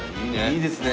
いいですね